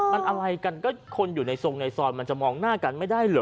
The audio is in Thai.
มันอะไรกันก็คนอยู่ในทรงในซอยมันจะมองหน้ากันไม่ได้เหรอ